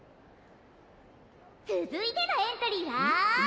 つづいてのエントリーは。